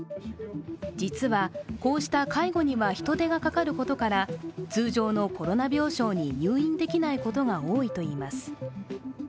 実はこうした介護には人手がかかることから通常のコロナ病床に入院できないことが多いといいます。